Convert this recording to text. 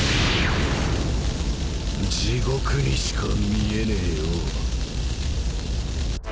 地獄にしか見えねえよ。